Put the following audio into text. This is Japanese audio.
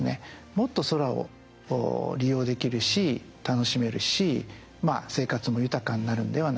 もっと空を利用できるし楽しめるし生活も豊かになるんではないか。